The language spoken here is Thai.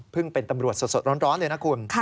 เป็นตำรวจสดร้อนเลยนะคุณ